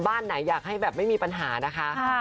บ้านไหนอยากให้แบบไม่มีปัญหานะคะ